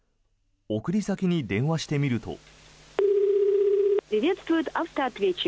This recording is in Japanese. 送り先に電話してみると。